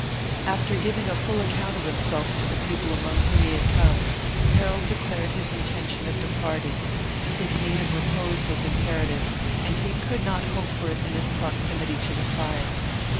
After giving a full account of himself to the people among whom he had come, Harold declared his intention of departing; his need of repose was imperative, and he could not hope for it in this proximity to the fire.